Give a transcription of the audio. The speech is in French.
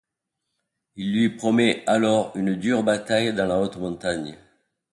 Il lui promet alors une dure bataille dans la haute montagne.